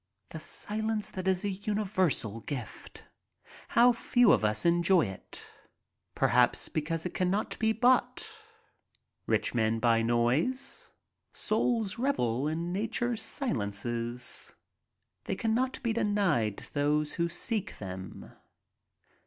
The silence that is a universal gift — how few of us enjoy it. Perhaps because it cannot be bought. Rich men buy noise. Souls irevel in nature's silences. They cannot be denied those who seek them.